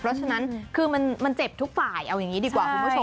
เพราะฉะนั้นคือมันเจ็บทุกฝ่ายเอาอย่างนี้ดีกว่าคุณผู้ชม